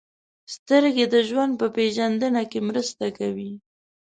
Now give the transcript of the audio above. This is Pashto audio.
• سترګې د ژوند په پېژندنه کې مرسته کوي.